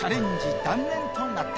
断念となった。